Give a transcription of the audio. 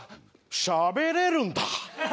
しゃべれるんだ！